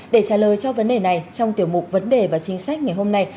để trả lời cho vấn đề này trong tiểu mục vấn đề và chính sách ngày hôm nay